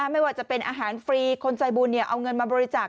ไม่ว่าจะเป็นอาหารฟรีคนใจบุญเอาเงินมาบริจาค